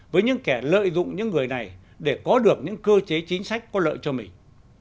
với những kẻ lợi dụng những người này để có được những cơ chế chính sách có lợi cho mình